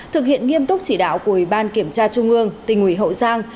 thực hiện nghiêm túc chỉ đạo của ubnd kiểm tra trung ương tỉnh ubnd hậu giang